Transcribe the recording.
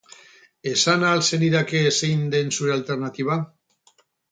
Esan ahal zenidake zein den zure alternatiba?